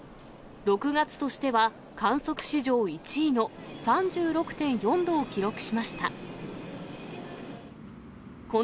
６月としては、観測史上１位の３６．４度を記録しました。